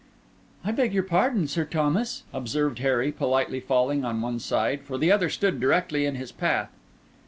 "I beg your pardon, Sir Thomas," observed Harry, politely falling on one side; for the other stood directly in his path.